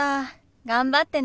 頑張ってね。